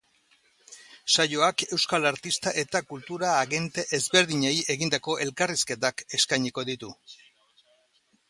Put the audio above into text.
Saioak euskal artista eta kultura agente ezberdineni egindako elkarrizketak eskainiko ditu.